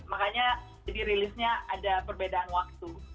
makanya jadi rilisnya ada perbedaan waktu